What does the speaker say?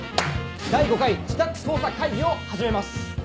第５回自宅捜査会議を始めます。